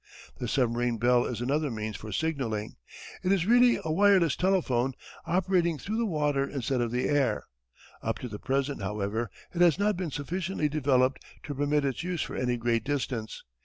The submarine bell is another means for signalling. It is really a wireless telephone, operating through the water instead of the air. Up to the present, however, it has not been sufficiently developed to permit its use for any great distance.